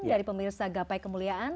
dari pemirsa gapai kemuliaan